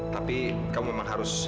tapi kamu memang harus